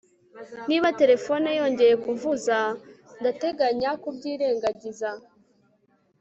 niba terefone yongeye kuvuza, ndateganya kubyirengagiza